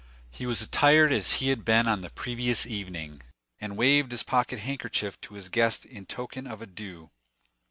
He was attired as he had been on the previous evening, and waved his pocket handkerchief to his guest in token of adieu.